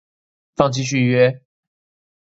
放棄續約